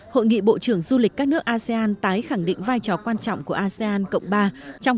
hội nghị bộ trưởng du lịch các nước asean tái khẳng định vai trò quan trọng của asean cộng ba trong